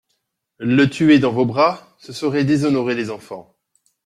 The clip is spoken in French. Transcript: Le tuer dans vos bras, ce serait déshonorer les enfants.